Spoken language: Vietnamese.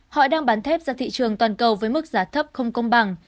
họ đang bán thép ra thị trường toàn cầu với mức giá thấp không công bằng